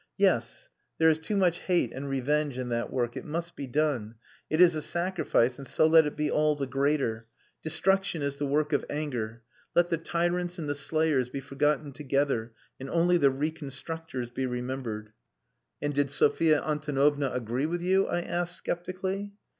"Yes. There is too much hate and revenge in that work. It must be done. It is a sacrifice and so let it be all the greater. Destruction is the work of anger. Let the tyrants and the slayers be forgotten together, and only the reconstructors be remembered.'' "And did Sophia Antonovna agree with you?" I asked sceptically.